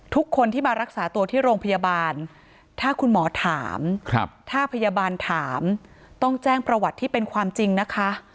ทุกคนที่มารักษาตัวที่โรงพยาบาลถ้าคุณหมอถามถ้าพยาบาลถามต้องแจ้งประวัติที่เป็นความจริงนะคะ